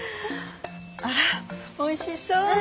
あらおいしそう。